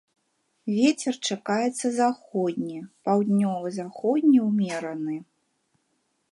Вецер чакаецца заходні, паўднёва-заходні ўмераны.